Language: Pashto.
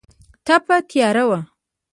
تپه تیاره وه.